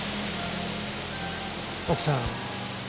奥さん。